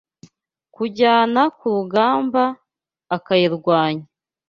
kujya ku rugamba akayirwanya